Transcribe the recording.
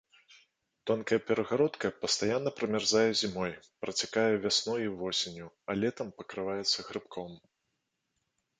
Тонкая перагародка пастаянна прамярзае зімой, працякае вясной і восенню, а летам пакрываецца грыбком.